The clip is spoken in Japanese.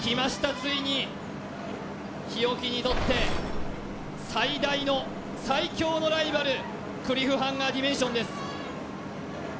ついに日置にとって最大の最強のライバルクリフハンガーディメンションです